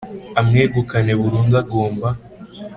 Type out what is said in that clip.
amwegukane burundu agomba